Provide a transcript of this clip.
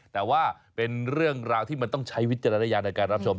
แต่ว่าเป็นเรื่องราวที่มันต้องใช้วิจารณญาณในการรับชม